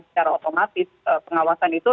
secara otomatis pengawasan itu